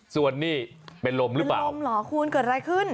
ส่วนนี่เป็นลมหรือเปล่าลมเหรอคุณเกิดอะไรขึ้น